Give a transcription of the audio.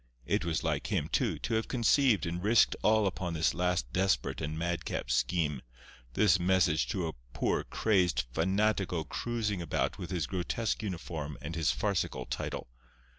It was like him, too, to have conceived and risked all upon this last desperate and madcap scheme—this message to a poor, crazed fanatico cruising about with his grotesque uniform and his farcical title.